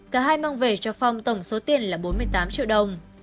cả hai mang về cho phong tổng số tiền là bốn mươi tám triệu đồng